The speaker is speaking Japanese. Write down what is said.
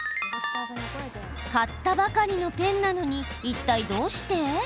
買ったばかりのペンなのにいったい、どうして？